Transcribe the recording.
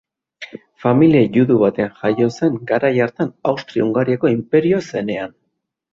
Familia judu batean jaio zen garai hartan Austria-Hungariako inperioa zenean.